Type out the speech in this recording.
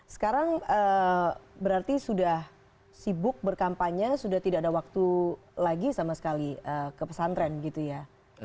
sekarang berarti sudah sibuk berkampanye sudah tidak ada waktu lagi sama sekali ke pesantren gitu ya